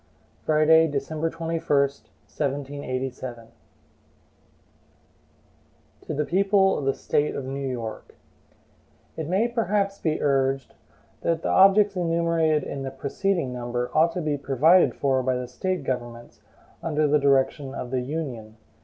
Friday, December 21, 1787. HAMILTON To the People of the State of New York: IT MAY perhaps be urged that the objects enumerated in the preceding number ought to be provided for by the State governments, under the direction of the Union.